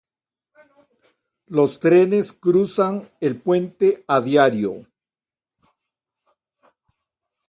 Los trenes cruzan el puente a diario.